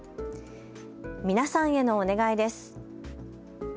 皆さんへのお願いです。